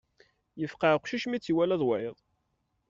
Yefqeɛ uqcic mi tt-iwala d wayeḍ.